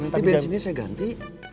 nanti bensinnya saya ganti